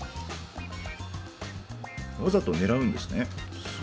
わざと狙うんですね。